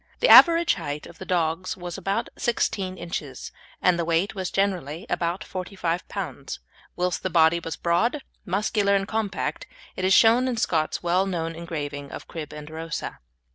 The average height of the dogs was about 16 inches, and the weight was generally about 45 lbs., whilst the body was broad, muscular, and compact, as is shown in Scott's well known engraving of "Crib and Rosa."